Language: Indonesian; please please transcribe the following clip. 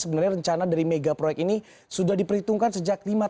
sebenarnya rencana dari mega proyek ini sudah diperhitungkan sejak lima tahun